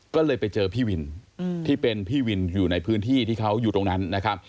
ก็เลยไปเจอพี่วินที่เป็นพี่วินอยู่ในพื้นที่ที่เขาอยู่ตรงนั้นนะครับ